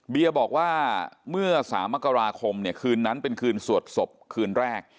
เบียร์บอกว่าเมื่อสามักราคมคืนนั้นเป็นคืนสวดศพคืนแรก